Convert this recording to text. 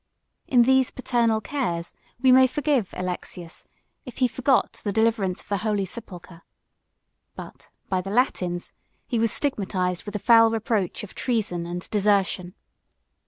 In these paternal cares, we may forgive Alexius, if he forgot the deliverance of the holy sepulchre; but, by the Latins, he was stigmatized with the foul reproach of treason and desertion.